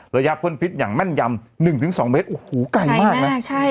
ระยะพ่นพิษอย่างแม่นยำหนึ่งถึงสองเมตรโอ้โหใกล้มากน่ะใช่